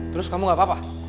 terus kamu gak apa apa